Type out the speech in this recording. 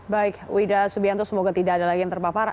baik wida subianto semoga tidak ada lagi yang terpapar